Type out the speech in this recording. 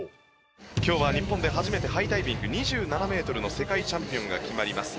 今日は日本で初めてハイダイビング２７ｍの世界チャンピオンが決まります